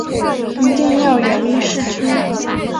一定要远离市区